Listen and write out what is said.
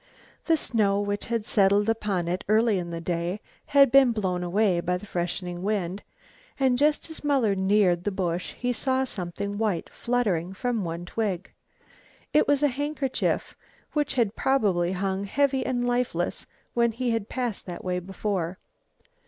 The snow which had settled upon it early in the day had been blown away by the freshening wind, and just as Muller neared the bush he saw something white fluttering from one twig. It was a handkerchief, which had probably hung heavy and lifeless when he had passed that way before.